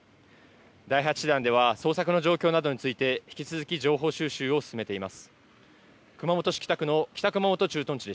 第８師団では捜索の状況などについて、引き続き情報収集を進めています。